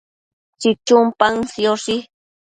chichun paën sioshi